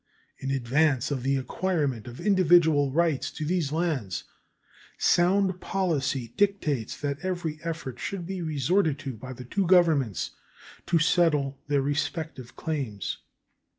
In advance of the acquirement of individual rights to these lands, sound policy dictates that every effort should be resorted to by the two Governments to settle their respective claims.